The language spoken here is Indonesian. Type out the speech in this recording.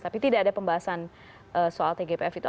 tapi tidak ada pembahasan soal tgpf itu